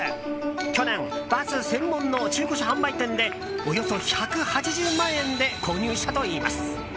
去年、バス専門の中古車販売店でおよそ１８０万円で購入したといいます。